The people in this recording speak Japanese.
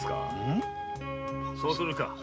そうするか。